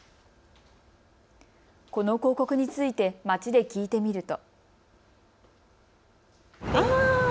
この広告について街で聞いてみると。